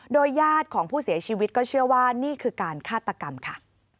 ญาติของผู้เสียชีวิตก็เชื่อว่านี่คือการฆาตกรรมค่ะ